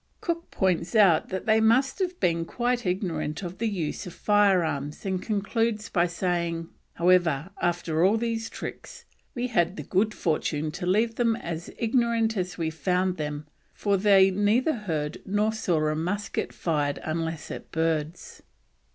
Cook points out that they must have been quite ignorant of the use of firearms, and concludes by saying: "However, after all these tricks, we had the good fortune to leave them as ignorant as we found them, for they neither heard nor saw a musket fired unless at birds."